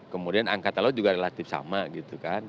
kemudian angka talon juga relatif sama gitu kan